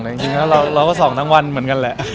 เราก็ส่องทั้งวันเหมือนกันแหละ